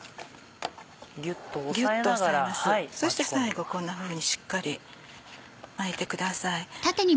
そして最後こんなふうにしっかり巻いてください。